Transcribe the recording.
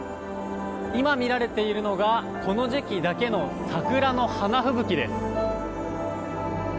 今、見られているのがこの時期だけの桜の花吹雪です。